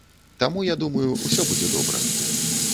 Таму, я думаю, усё будзе добра.